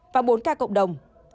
và bốn ca cộng đồng